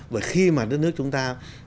và khi mà đất nước chúng ta